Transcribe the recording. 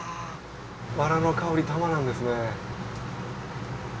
ワラの香りたまらんですね。